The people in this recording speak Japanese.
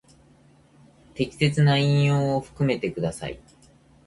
適切な引用を含めてください。